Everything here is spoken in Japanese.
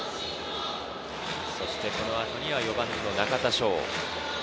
そして、このあとは４番の中田翔。